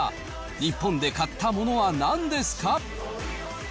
日本で買ったものはなんですか。